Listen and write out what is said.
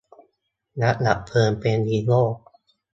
นักดับเพลิงเป็นฮีโร่